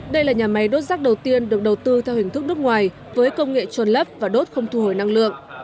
đây là nhà máy đốt rác đầu tiên được đầu tư theo hình thức nước ngoài với công nghệ trôn lấp và đốt không thu hồi năng lượng